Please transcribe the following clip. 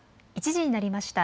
１時になりました。